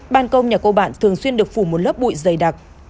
ban công nhà cô bạn thường xuyên được phủ một lớp bụi dày đặc